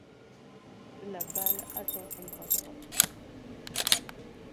La balle atteint son bras droit.